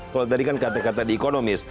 kalau tadi kan kata kata di ekonomis